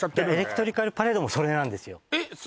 エレクトリカルパレードもそれなんですよえっ